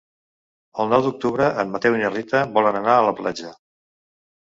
El nou d'octubre en Mateu i na Rita volen anar a la platja.